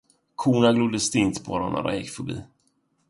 Korna glodde stint på dem när de gick förbi.